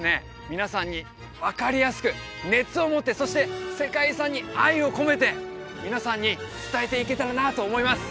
皆さんに分かりやすく熱を持ってそして世界遺産に愛を込めて皆さんに伝えていけたらなと思います